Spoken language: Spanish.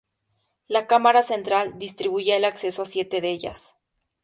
La cámara central distribuía el acceso a siete de ellas.